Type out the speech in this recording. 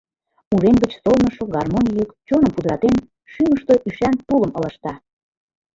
Урем гыч солнышо гармонь йӱк чоным пудыратен шӱмыштӧ ӱшан тулым ылыжта.